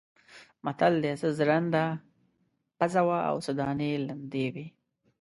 متل دی: څه ژرنده پڅه وه او څه دانې لندې وې.